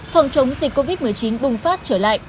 phòng chống dịch covid một mươi chín bùng phát trở lại